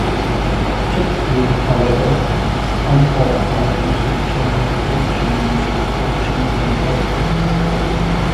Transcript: Typically, however, unqualified use of the term "reflection" means reflection in a hyperplane.